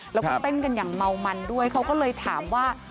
แล้วก็เต้นกันอย่างเมามันด้วยเขาก็เลยถามว่า